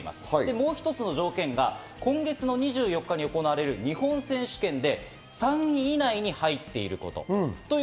もう一つの条件が今月２４日に行われる日本選手権で３位以内に入っていること。